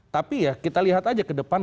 tapi ya kita lihat aja ke depan